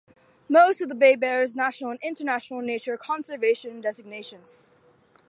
Most of the bay bears national and international nature conservation designations.